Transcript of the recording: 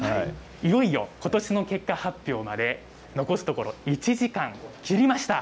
いよいよ、ことしの結果発表まで残すところ１時間切りました。